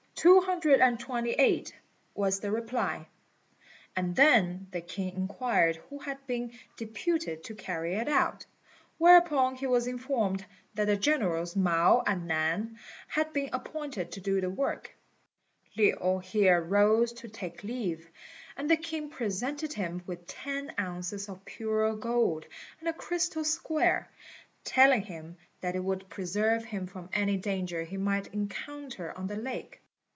"Two hundred and twenty eight," was the reply; and then the king inquired who had been deputed to carry it out; whereupon he was informed that the generals Mao and Nan had been appointed to do the work. Lin here rose to take leave, and the king presented him with ten ounces of pure gold and a crystal square, telling him that it would preserve him from any danger he might encounter on the lake.